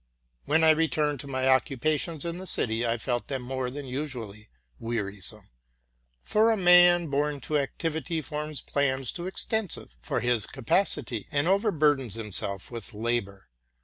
When I returned to my occupations in the city, I felt them more than usually wearisome; for a man born to activity forms plans too extensive for his capacity, and overburdens himself with labor.